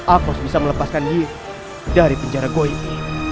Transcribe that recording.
aku bisa melepaskan diri dari penjara goy ini